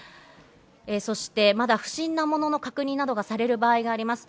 そしてまだ、不審なものの確認などがされる場合があります。